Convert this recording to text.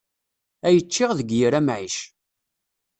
Ay ččiɣ deg yir amɛic.